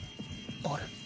あれ？